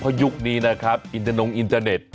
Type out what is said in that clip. เพราะยุคนี้นะครับอินทนงอินเตอร์เน็ต